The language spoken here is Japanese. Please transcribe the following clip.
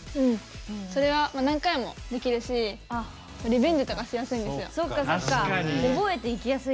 何回もできるしリベンジとかしやすいんですよ。